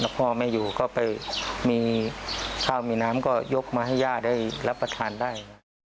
พ่อไม่อยู่ก็ไปมีข้าวมีน้ำก็ยกมาให้ย่าได้รับประทานได้